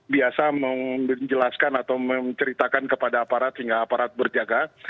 biasa menjelaskan atau menceritakan kepada aparat sehingga aparat berjaga